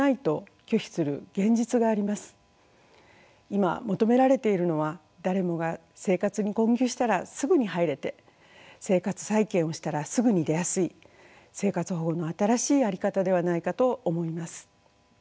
今求められているのは誰もが生活に困窮したらすぐに入れて生活再建をしたらすぐに出やすい生活保護の新しい在り方ではないかと思います。